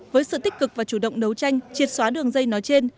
với sự tích cực và chủ động đấu tranh triệt xóa đường dây nói trên